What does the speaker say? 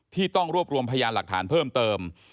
ต้องรวบรวมพยานหลักฐานเพิ่มเติม